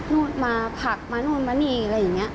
นู่นมาผักมานู่นมานี่อะไรอย่างนี้